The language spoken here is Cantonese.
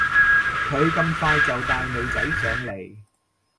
佢咁快就帶女仔上嚟